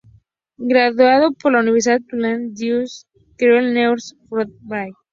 Graduado de la Universidad Tulane, Dixon creó el "New Orleans Professional Football Club, Inc.